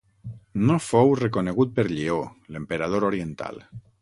No fou reconegut per Lleó, l'emperador oriental.